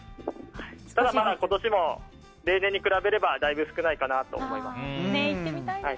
今年も例年に比べればだいぶ少ないかなと思います。